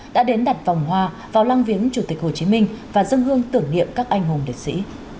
đã đến đặt vòng hoa vào lăng viếng chủ tịch hồ chí minh và dân hương tưởng niệm các anh hùng liệt sĩ